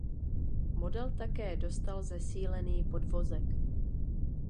Model také dostal zesílený podvozek.